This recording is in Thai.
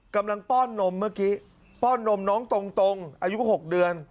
กำลังป้อนนมเมื่อกี้ป้อนนมน้องตรงอายุ๖เดือนนะครับ